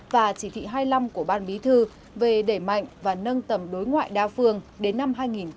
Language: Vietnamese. và chỉ thị hai mươi năm của ban bí thư về đẩy mạnh và nâng tầm đối ngoại đa phương đến năm hai nghìn hai mươi